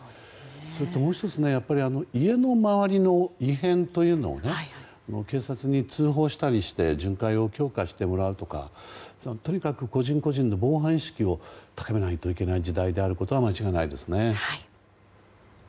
もう１つ家の周りの異変というのを警察に通報したりして巡回を強化してもらうとかとにかく個人個人の防犯意識を高めないといけない時代であることは間違いないですね。